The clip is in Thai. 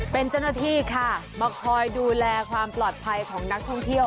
เป็นเจ้าหน้าที่ค่ะมาคอยดูแลความปลอดภัยของนักท่องเที่ยว